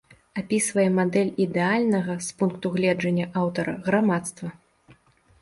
Апісвае мадэль ідэальнага, з пункту гледжання аўтара, грамадства.